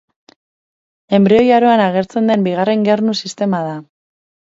Enbrioi aroan agertzen den bigarren gernu sistema da.